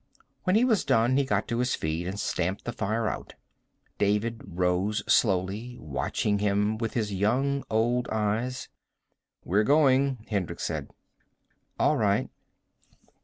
When he was done he got to his feet and stamped the fire out. David rose slowly, watching him with his young old eyes. "We're going," Hendricks said. "All right."